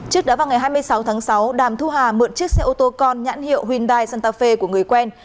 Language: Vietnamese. trước đó vào ngày hai mươi sáu tháng sáu đàm thu hà mượn chiếc xe ô tô con nhãn hiệu hyundai santafe của người quen